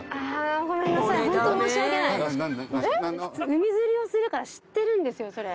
海釣りをするから知ってるんですよそれ。